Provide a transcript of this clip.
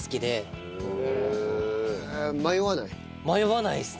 迷わない？